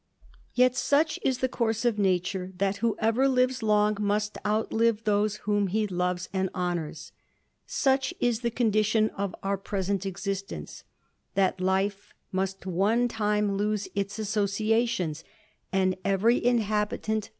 Yet such is the course of nature, that whoever lives loi^ must outlive those whom he loves and honours. Such :: the condition of our present existence, that life must on time lose its associations, and every inhabitant o?